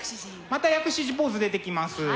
また薬師寺ポーズ出てきます。